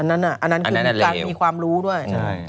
อันนั้นคือการมีความรู้ด้วย